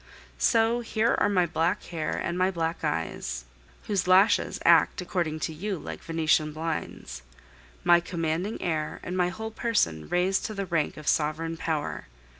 So here are my black hair and my black eyes whose lashes act, according to you, like Venetian blinds my commanding air, and my whole person, raised to the rank of sovereign power!